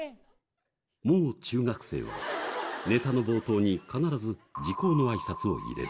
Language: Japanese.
・もう中学生はネタの冒頭に必ず時候の挨拶を入れる。